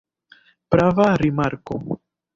Prava rimarko.